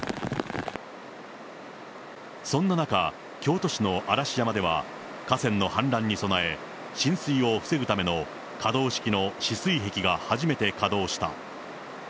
そんな中、京都市の嵐山では河川の氾濫に備え、浸水を防ぐための可動式の止水壁が始めて稼働した。